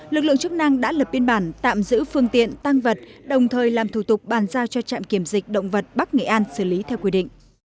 lực lượng chức năng đã lập biên bản tạm giữ phương tiện tăng vật đồng thời làm thủ tục bàn giao cho trạm kiểm dịch động vật bắc nghệ an xử lý theo quy định